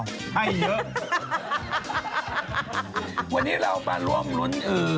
วันนี้เรามาร่วมรุน